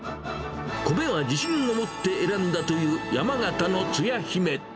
米は自信を持って選んだという、山形のつや姫。